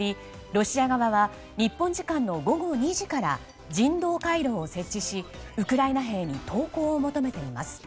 ロシア側は日本時間の午後２時から人道回廊を設置しウクライナ兵に投降を求めています。